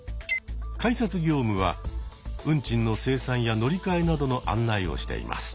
改札業務は運賃の精算や乗り換えなどの案内をしています。